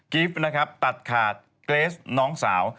ฟนะครับตัดขาดเกรสน้องสาว